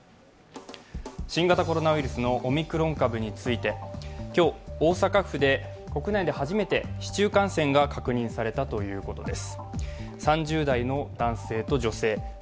新型コロナウイルスのオミクロン株について今日、大阪府で国内で初めて市中感染が確認されたということです。